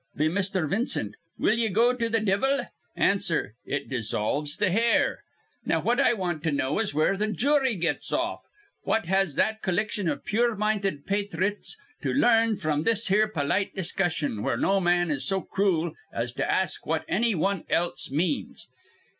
Be Misther Vincent: 'Will ye go to th' divvle?' Answer: 'It dissolves th' hair.' "Now what I want to know is where th' jury gets off. What has that collection iv pure minded pathrites to larn fr'm this here polite discussion, where no wan is so crool as to ask what anny wan else means?